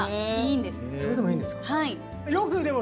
それでもいいんですか。